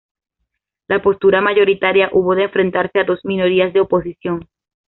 La postura mayoritaria hubo de enfrentarse a dos minorías de oposición.